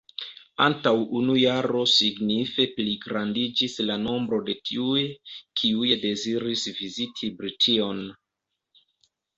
Antaŭ unu jaro signife pligrandiĝis la nombro de tiuj, kiuj deziris viziti Brition.